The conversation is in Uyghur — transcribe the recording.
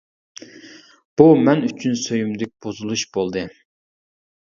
بۇ مەن ئۈچۈن سۆيۈملۈك بۇزۇلۇش بولدى.